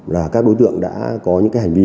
là các đối tượng đã có những cái hành vi